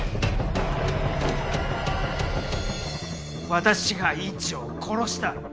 私が院長を殺した！